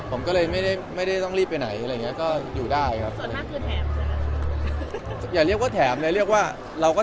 ผมคิดว่ากฎที่เรามีอยู่มันไม่ได้อีกมาก